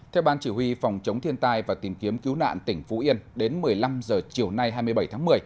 theo ban chỉ huy phòng chống thiên tai và tìm kiếm cứu nạn tỉnh phú yên đến một mươi năm h chiều nay hai mươi bảy tháng một mươi